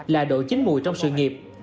là độ chính mùi trong sự nghiệp